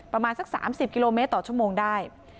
ประมาณสัก๓๐กิโลเมตรต่อชั่วโมงได้